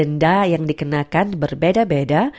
denda yang dikenakan berbeda beda